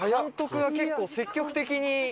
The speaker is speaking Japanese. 監督が結構積極的に。